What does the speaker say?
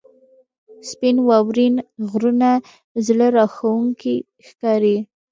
• سپین واورین غرونه زړه راښکونکي ښکاري.